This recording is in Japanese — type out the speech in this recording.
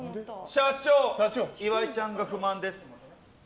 社長、岩井ちゃんが不満です。